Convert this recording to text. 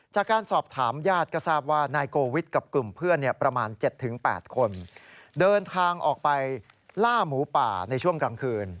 จากการสอบถามญาติก็ทราบว่านายโกวิทกับกลุ่มเพื่อนประมาณ๗๘คนเดินทางออกไปล่าหมูป่าในช่วงกลางคืน